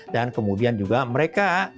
dan kemudian juga mereka